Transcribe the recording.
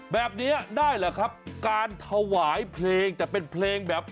แบบนี้ได้เหรอครับการถวายเพลงแต่เป็นเพลงแบบ